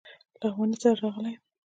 لغمانی سره راغلی یم.